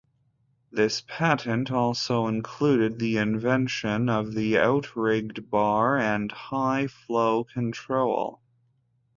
This patent also included the invention of the out-rigger bar, and high flow control.